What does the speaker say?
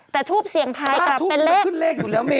แต่ทูปเสี่ยงทายกลับเป็นเลขว่าทูปมันคุดเลขอยู่แล้วเม